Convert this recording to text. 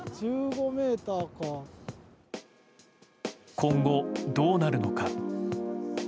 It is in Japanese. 今後、どうなるのか。